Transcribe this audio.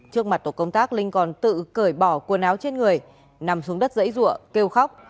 trước mặt tổ công tác linh còn tự cởi bỏ quần áo trên người nằm xuống đất dãy rụa kêu khóc